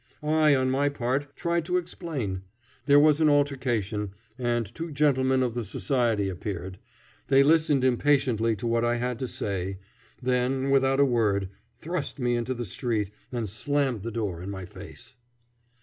I, on my part, tried to explain. There was an altercation, and two gentlemen of the society appeared. They listened impatiently to what I had to say, then, without a word, thrust me into the street and slammed the door in my face.